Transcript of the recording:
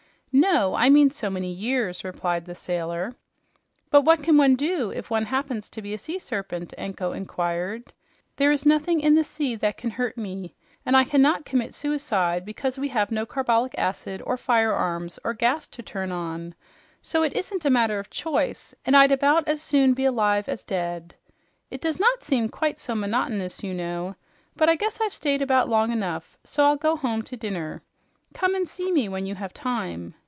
"No, I mean so many years," replied the sailor. "But what can one do if one happens to be a sea serpent?" Anko inquired. "There is nothing in the sea that can hurt me, and I cannot commit suicide because we have no carbolic acid or firearms or gas to turn on. So it isn't a matter of choice, and I'd about as soon be alive as dead. It does not seem quite so monotonous, you know. But I guess I've stayed about long enough, so I'll go home to dinner. Come and see me when you have time."